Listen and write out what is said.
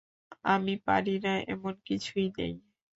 আমি পারি না এমন কিছুই নেই।